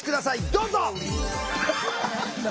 どうぞ！